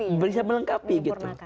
itu bisa melengkapi gitu